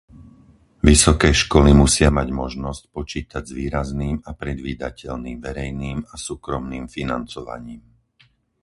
Vysoké školy musia mať možnosť počítať s výrazným a predvídateľným verejným a súkromným financovaním.